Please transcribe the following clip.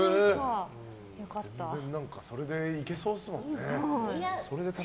全然それでいけそうっすもんね。